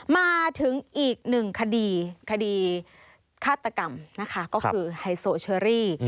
มาถึงอีกหนึ่งคดีคดีฆาตกรรมคือไฮสว์เชอรี่